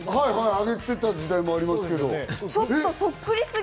上げてた時代もありますけど。